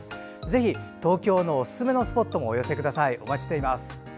ぜひ東京のおすすめのスポットもお寄せください。